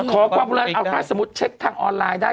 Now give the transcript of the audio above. ขอความรู้รักออกนะสมมุติเช็กทางออนไลน์ได้